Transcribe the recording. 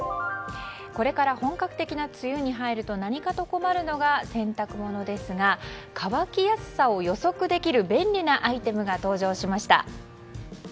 これから本格的な梅雨に入ると何かと困るのが洗濯物ですが乾きやすさを予測できる便利なアイテムが登場しました。